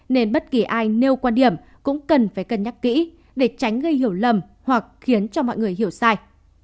nên bất kỳ ai nêu quan điểm cũng cần phải cân nhắc kỹ để tránh gây hiểu lầm hoặc khiến cho mọi người hiểu sai